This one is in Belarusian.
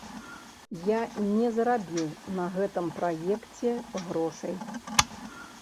Я не зарабіў на гэтым праекце грошай.